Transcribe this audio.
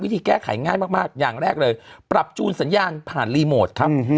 แก้ไขง่ายมากอย่างแรกเลยปรับจูนสัญญาณผ่านรีโมทครับ